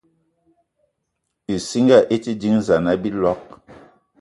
Ìsínga í te dínzan á bíloig